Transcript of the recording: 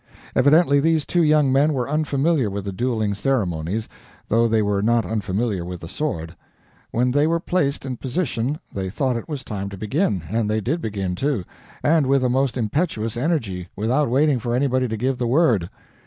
Evidently these two young men were unfamiliar with the dueling ceremonies, though they were not unfamiliar with the sword. When they were placed in position they thought it was time to begin and then did begin, too, and with a most impetuous energy, without waiting for anybody to give the word.